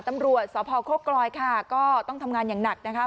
ตำรวจสพโคกรอยค่ะก็ต้องทำงานอย่างหนักนะคะ